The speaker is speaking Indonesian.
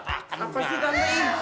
apaan sih tante ini